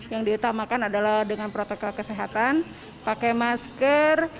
yang diutamakan adalah dengan protokol kesehatan pakai masker